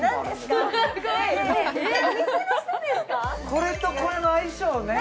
これとこれの相性ね！